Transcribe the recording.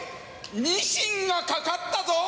ニシンがかかったぞ！